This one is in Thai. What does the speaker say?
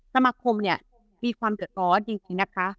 สมาคมเนี้ยมีความเกิดทอดยังไงนะคะ